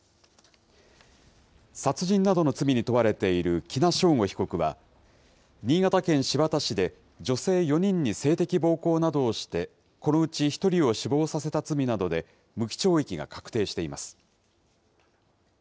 殺人などの罪に問われている喜納尚吾被告は、新潟県新発田市で、女性４人に性的暴行などをして、このうち１人を死亡させた罪などで無期懲役が確定しています。